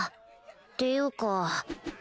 っていうか